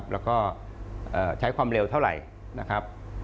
แล้วก็ใช้ความเร็วเท่าไหร่นะครับ